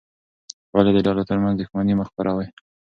ولې د ډلو ترمنځ دښمني مه خپروې؟